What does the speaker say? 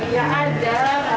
iya ada apa apa ya